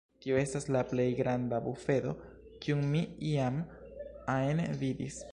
Tio estas la plej granda bufedo kiun mi iam ajn vidis.